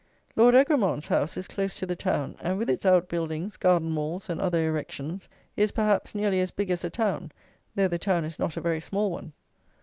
Lord Egremont's house is close to the town, and, with its out buildings, garden walls, and other erections, is, perhaps, nearly as big as the town; though the town is not a very small one.